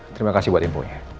terima kasih buat info nya